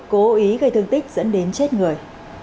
cố ý gây thương tích dẫn đến chết người